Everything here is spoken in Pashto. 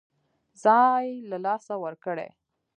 ځای له لاسه ورکړي.